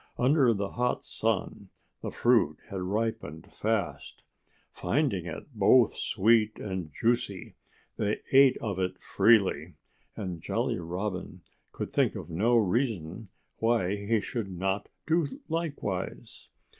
Under the hot sun the fruit had ripened fast. Finding it both sweet and juicy they ate of it freely. And Jolly Robin could think of no reason why he should not do likewise.